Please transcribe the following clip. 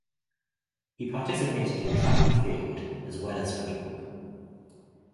He participated in track and field as well as football.